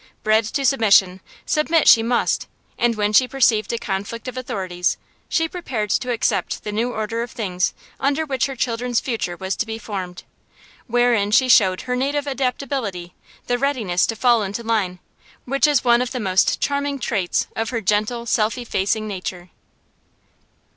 Bred to submission, submit she must; and when she perceived a conflict of authorities, she prepared to accept the new order of things under which her children's future was to be formed; wherein she showed her native adaptability, the readiness to fall into line, which is one of the most charming traits of her gentle, self effacing nature.